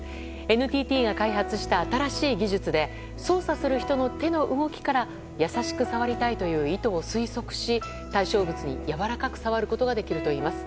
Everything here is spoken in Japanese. ＮＴＴが開発した新しい技術で操作する人の手の動きから優しく触りたいという意図を推測し対象物に、やわらかく触ることができるといいます。